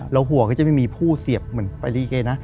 ห่วงก็จะไม่มีผู้เสียบเหมือนไปลิเกนะ